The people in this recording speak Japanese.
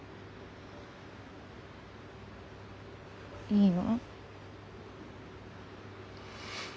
いいの？